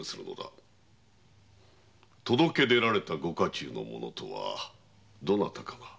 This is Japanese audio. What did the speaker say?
届け出られたご家中の者とはどなたかな？